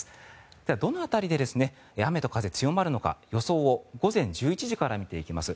では、どの辺りで雨と風が強まるのか予想を午前１１時から見ていきます。